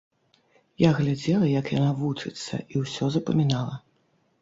Я глядзела, як яна вучыцца, і ўсё запамінала.